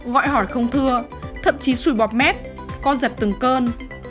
gọi hỏi không thưa thậm chí xùi bóp mét co giật từng cơn